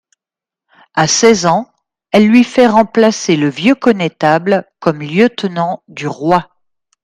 À seize ans, elle lui fait remplacer le vieux connétable comme lieutenant du roi.